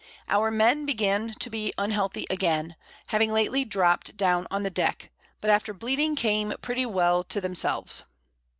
Our Men begin to be unhealthy again, two having lately dropt down on the Deck, but after bleeding came pretty well to themselves.